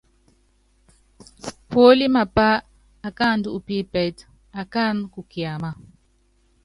Púólíe mapá akáandú u pípɛ́tɛ́, akáánɛ́ kú kiámáa.